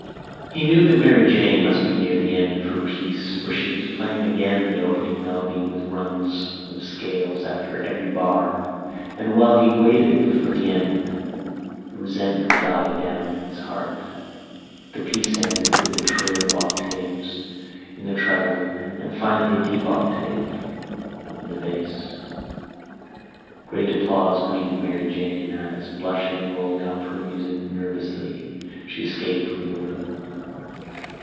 He knew that Mary Jane must be near the end of her piece for she was playing again the opening melody with runs of scales after every bar and while he waited for the end the resentment died down in his heart. The piece ended with a trill of octaves in the treble and a final deep octave in the bass. Great applause greeted Mary Jane as, blushing and rolling up her music nervously, she escaped from the room.